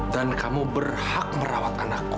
dan kamu berhak merawat anakku